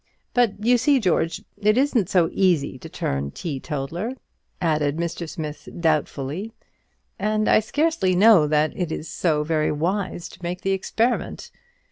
But, you see, George, it isn't so easy to turn teetotaller," added Mr. Smith, doubtfully; "and I scarcely know that it is so very wise to make the experiment.